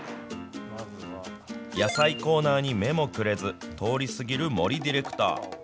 野菜コーナーに目もくれず、通り過ぎる森ディレクター。